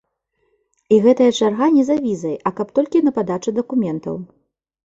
І гэтая чарга не за візай, а каб толькі на падачу дакументаў.